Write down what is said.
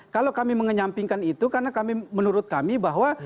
kalau kami menyampingkan itu karena kami menurut kami bahwa